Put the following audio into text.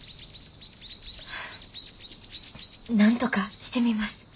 なんとかしてみます。